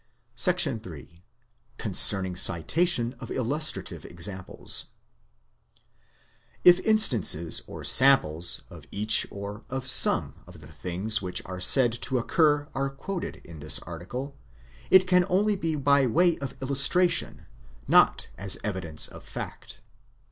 3 Concerning Citation of Illustrative Examples If instances or samples of each or of some of the things which are said to occur are quoted in this article, it can only be by way of illustration, not as evidence of fact.